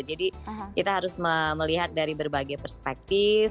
jadi kita harus melihat dari berbagai perspektif